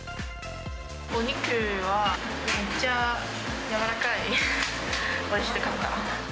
お肉はめっちゃ柔らかい、おいしかった。